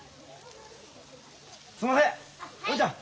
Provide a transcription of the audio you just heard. すんませんおねえちゃん。